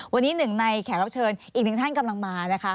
วันนี้หนึ่งในแขกรับเชิญอีกหนึ่งท่านกำลังมานะคะ